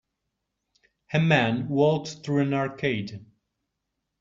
a man walks through an arcade.